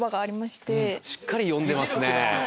しっかり読んでますね。